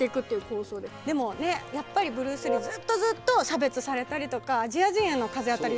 でもやっぱりブルース・リーずっとずっと差別されたりとかアジア人への風当たり